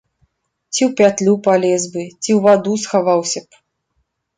Ці ў пятлю палез бы, ці ў ваду схаваўся б!